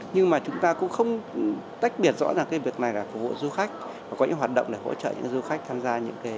nhưng mà chúng ta cũng không tách biệt rõ ràng cái việc này là phục vụ du khách và có những hoạt động để hỗ trợ những du khách tham gia